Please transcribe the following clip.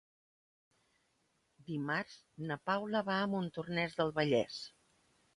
Dimarts na Paula va a Montornès del Vallès.